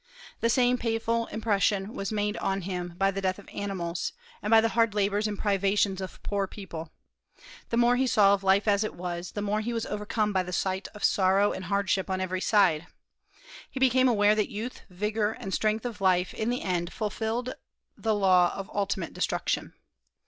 The same painful impression was made on him by the death of animals, and by the hard labors and privations of poor people. The more he saw of life as it was, the more he was overcome by the sight of sorrow and hardship on every side. He became aware that youth, vigor, and strength of life in the end fulfilled the law of ultimate destruction.